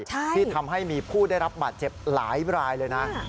ที่ทำให้มีผู้ได้รับบาดเจ็บหลายรายเลยนะ